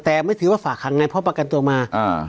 แต่ไม่ถือว่าฝากขังไงเพราะประกันตัวมาอ่า